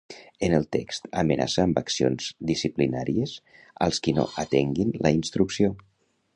En el text amenaça amb accions disciplinàries als qui no atenguin la instrucció.